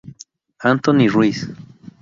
Anthony Ruiz